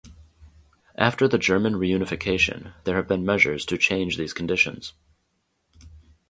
After the German reunification there have been measures to change these conditions.